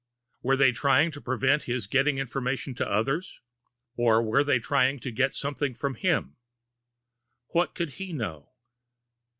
Were they trying to prevent his giving information to others or were they trying to get something from him? And what could he know?